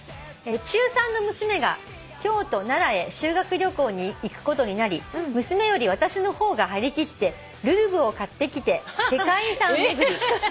「中３の娘が京都奈良へ修学旅行に行くことになり娘より私の方が張り切って『るるぶ』を買ってきて世界遺産巡り」ハハハ。